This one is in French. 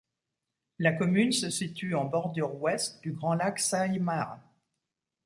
La commune se situe en bordure ouest du grand lac Saimaa.